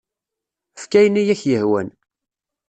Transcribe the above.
Efk ayen i ak-yehwan.